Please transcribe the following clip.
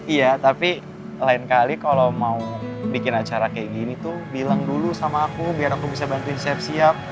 iya tapi lain kali kalau mau bikin acara kayak gini tuh bilang dulu sama aku biar aku bisa bantuin siap siap